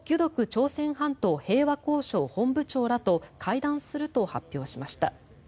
朝鮮半島平和交渉本部長らと会談すると発表しました。